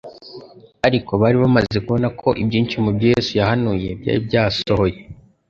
ariko bari bamaze kubona ko ibyinshi mu byo Yesu yahanuye byari byasohoye.